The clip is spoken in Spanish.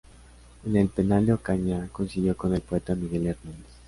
En el penal de Ocaña, coincidió con el poeta Miguel Hernández.